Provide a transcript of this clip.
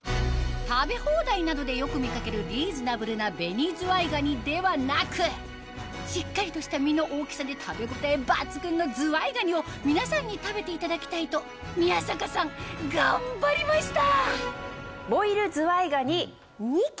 食べ放題などでよく見掛けるリーズナブルな紅ずわいがにではなくしっかりとした身の大きさで食べ応え抜群のずわいがにを皆さんに食べていただきたいと宮坂さん頑張りました！